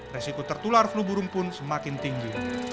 resiko tertular flu burung pun semakin tinggi